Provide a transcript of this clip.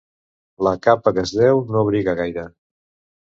La capa que es deu no abriga gaire.